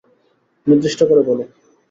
নির্দিষ্ট করে বলো।